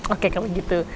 oke kalau gitu